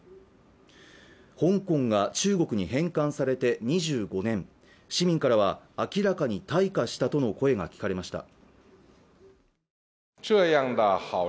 香港が中国に返還されて２５年市民からは明らかに退化したとの声が聞かれました